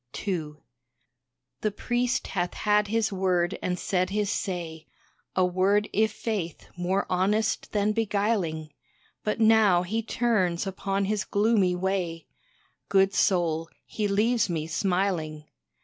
II The Priest hath had his word and said his say A word i' faith more honest than beguiling But now he turns upon his gloomy way Good soul, he leaves me smiling.